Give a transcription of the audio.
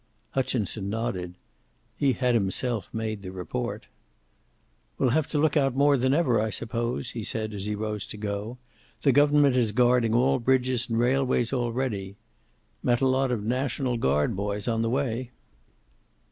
Hutchinson nodded. He had himself made the report. "We'll have to look out more than ever, I suppose," he said, as he rose to go. "The government is guarding all bridges and railways already. Met a lot of National Guard boys on the way."